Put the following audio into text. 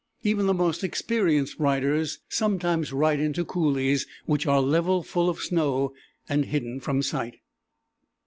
Even the most experienced riders sometimes ride into coulées which are level full of snow and hidden from sight.